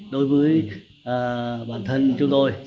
đối với bản thân chúng tôi